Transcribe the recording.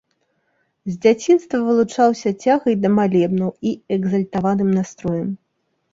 З дзяцінства вылучаўся цягай да малебнаў і экзальтаваным настроем.